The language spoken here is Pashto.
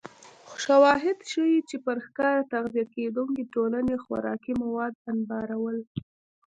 شواهد ښيي چې پر ښکار تغذیه کېدونکې ټولنې خوراکي مواد انبارول